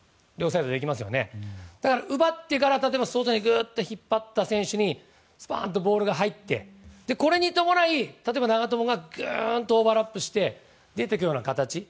例えば、奪ってから外に引っ張った選手にスパンとボールが入ってこれに伴い、例えば、長友がグーンとオーバーラップして出て行くような形。